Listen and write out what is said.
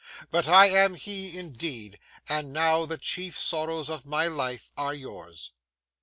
But I am he, indeed; and now the chief sorrows of my life are yours.